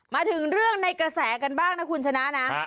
มาถึงเรื่องในกระแสกันบ้างนะคุณชนะนะ